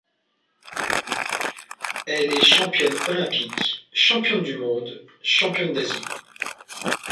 Elle est championne olympique, championne du monde, championne d'Asie.